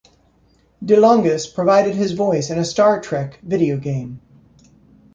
De Longis provided his voice in a "Star Trek" video game.